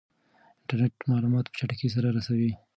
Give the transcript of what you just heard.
انټرنیټ معلومات په چټکۍ سره رسوي.